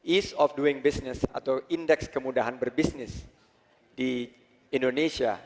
ease of doing business atau indeks kemudahan berbisnis di indonesia